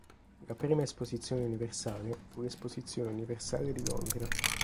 La prima Esposizione Universale fu l'Esposizione Universale di Londra.